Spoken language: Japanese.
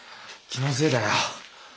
気のせいだよ。